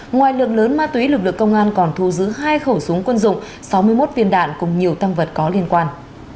ngoài lượng lớn ma túy lực lượng công an còn thu giữ hai khẩu súng quân dụng sáu mươi một viên đạn cùng nhiều tăng vật có liên quan